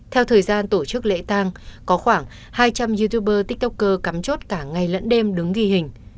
theo thời gian tổ chức lễ tang có khoảng hai trăm linh youtuber tích tốc cơ cắm chốt cả ngày lẫn đêm đứng ghi hình